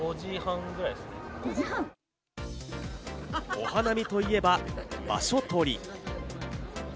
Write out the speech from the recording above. お花見といえば場所取り。